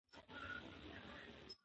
انا غواړي چې له دې حالته ووځي.